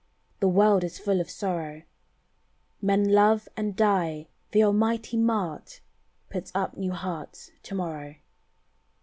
The world is full of sorrow: Men love and die th' almighty mart Puts up new hearts to morrow.